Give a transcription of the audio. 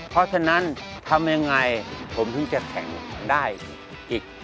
เพราะฉะนั้นทำยังไงผมถึงจะแข่งได้อีก